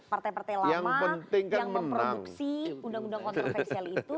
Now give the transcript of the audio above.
partai partai lama yang memproduksi undang undang kontroversial itu